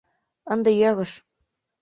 Ынде йӧрыш.